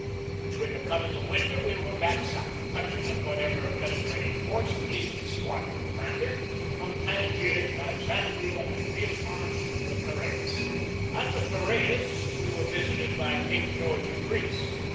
With the coming of winter we were back south, touching at whatever Mediterranean ports pleased the squadron commander, from Tangier to Alexan dria and Villefranche to the Piraeus. At the Piraeus we were visited by King George of Greece.